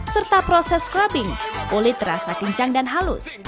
serta proses scrubbing kulit terasa kencang dan halus